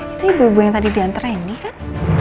itu ibu ibu yang tadi diantre ini kan